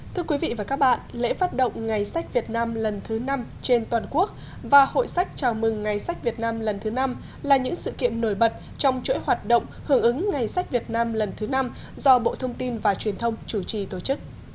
thưa quý vị và các bạn lễ phát động ngày sách việt nam lần thứ năm trên toàn quốc và hội sách chào mừng ngày sách việt nam lần thứ năm là những sự kiện nổi bật trong chuỗi hoạt động hưởng ứng ngày sách việt nam lần thứ năm do bộ thông tin và truyền thông chủ trì tổ chức